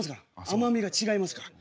甘みが違いますから。